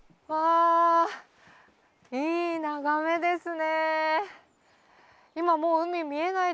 いい眺めですね。